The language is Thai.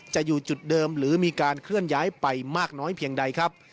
จะอยู่จุดเดิมหรือมีการเคลื่อนย้ายไปมากน้อยเพียงใดครับ